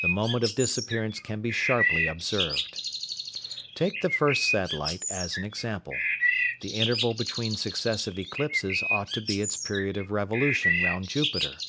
The moment of disappearance can be sharply observed. Take the first satellite as an example. The interval between successive eclipses ought to be its period of revolution round Jupiter.